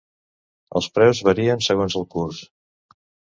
Els preus varien segons el curs.